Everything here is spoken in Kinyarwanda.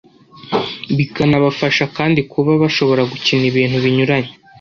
bikanabafasha kandi kuba bashobora gukina ibintu binyuranye